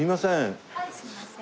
すいません。